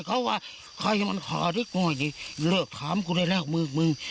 เขาว่าใครมันขอด้วยกูดิเลิกถามกูได้แล้วมึงมึง